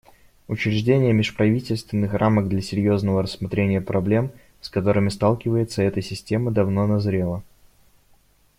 Учреждение межправительственных рамок для серьезного рассмотрения проблем, с которыми сталкивается эта система, давно назрело.